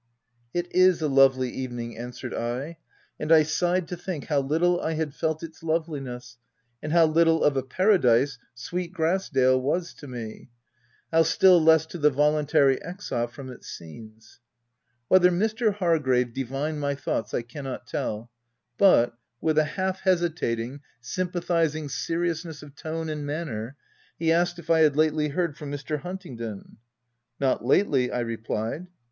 It is a lovely evening," answered I ; and I sighed to think how little I had felt its loveli ness, and how little of a paradise sweet Grass dale was to me — how still less to the voluntary exile from its scenes. Whether Mr. Hargrave divined my thoughts, I cannot tell, but, with a half hesitating, sympathizing seriousness of tone and manner, he asked if I had lately heard from Mr. Huntingdon. " Not lately." I replied.